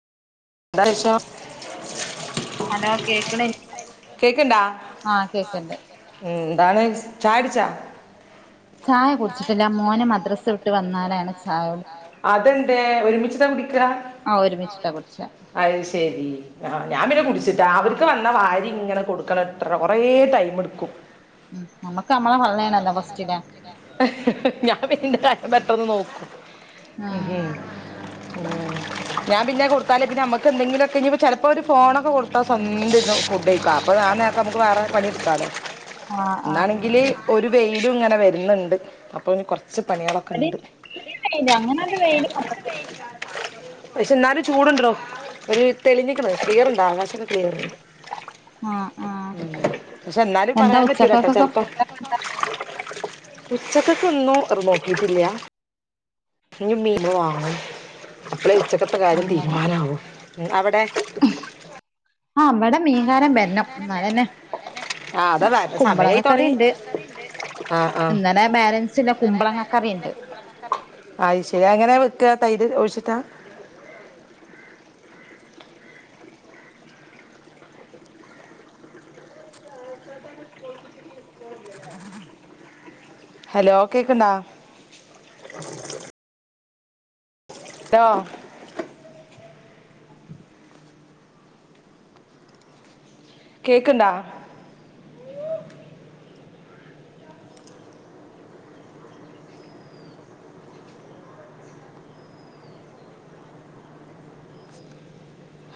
ന്താ കൈച്ചോ ഹലോ കേക്ക്ണില്ലേ കേക്ക്ണ്ടാ ന്താണ് ചായട്ച്ചാ ചായ കുട്ച്ചിട്ടില്ല മോന് മദ്രസ്സ വ് ട്ട് വന്നാലാണ് ചായ കുട്ക്കാ അതെന്തേ ഒരുമിച്ച്താ കുടിക്കാ ആഹ് ഒരുമിച്ചിട്ടാ കുട്ച്ചാ അയ്ശെരി ആഹ് ഞാൻ പിന്നെ കുടിച്ചിട്ടാ അവർക്ക് വന്നാ വാരി ഇങ്ങനെ കൊടുക്കണത്ര കൊറേ ടൈമ്ട്ക്കും ഉം നമ്മക്ക് നമ്മളെ പള്ളേണല്ലോ ഫസ്റ്റ് ലേ ഞാൻ പിന്നെ ന്റെ കാര്യം പെട്ടെന്ന് നോക്കും ഉം ഉം ഞാൻ പിന്നെ കൊടുത്താല് പിന്നെ അമ്മക്ക് എന്തെങ്കിലൊക്കെ ഇഞ്ഞിപ്പോ ചെലപ്പോ ഒരു ഫോണൊക്കെ കൊടുത്താ സ്വന്തം ര്ന്നു ഫുഡ്യ്ക്കാ അപ്പൊആഹ് നേർത്ത് നമ്മക്ക് വേറെ പണിടുക്കാലോ ആഹ് ആഹ് ഇന്നാണെങ്കില് ഒരു വെയിലും ങ്ങനെ വരുന്നുണ്ട് അപ്പൊ ഇനി കുറച്ച് പണീളൊ അത് [inaudible] അങ്ങനെണ്ട് വെയ്ല് വന്ന്ട്ട് പക്ഷെ ന്നാലും ചൂടുണ്ടോടൊ ഒരു തെളിഞ്ഞ്ക്ക്ന്ന് ക്ലിയർണ്ടോ ആകാശൊക്കെ ക്ലിയറുണ്ട് ആഹ് ആഹ് ഉം പക്ഷെ ന്നാലും എന്താ പറയാൻ പറ്റൂലാട്ടൊ ഉച്ചക്കക്കൊക്കെ ചെല്പ്പ്പം ഫുഡൊക്കെന്താ ഉച്ചക്കെക്ക്ക്കൊന്നും ർ നോക്കീട്ടില്ലാ ഇഞ്ഞ് മീന് വാങ്ങും അപ്പളെ ഉച്ചക്കത്തെ കാര്യം അങ്ങനെ തീരുമാനാവു അവടെ ആഹ് വടെ മീൻകാരൻ വെർണം ന്നാലെന്നേ ആ അതാ വരണ സമയമായി തുടങ്ങി കുമ്പളങ്ങക്കറിണ്ട് ആ ആ ഇന്നലെ ബാലൻസ്ള്ള കുംമ്പളങ്ങ കറിണ്ട് അയ്ശെരി എങ്ങനെ വെക്കാ തൈര് ഒഴിച്ചിട്ടാ ഹലോ കേക്ക്ണ്ടോ ലൊ കേക്ക്ണ്ടാ